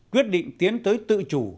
quyết định tiến tới tự chủ